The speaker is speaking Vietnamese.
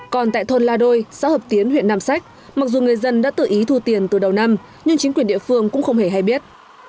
còn tại thôn la đôi xã hợp tiến huyện nam sách mặc dù người dân đã tự ý thu tiền từ đầu năm nhưng chính quyền địa phương cũng không hề hay biết